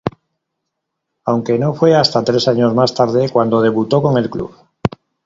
Aunque no fue hasta tres años más tarde cuando debutó con el club.